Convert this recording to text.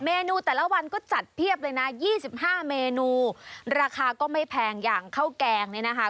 เมนูแต่ละวันก็จัดเพียบเลยนะ๒๕เมนูราคาก็ไม่แพงอย่างข้าวแกงเนี่ยนะคะ